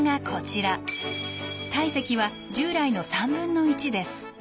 体積は従来の３分の１です。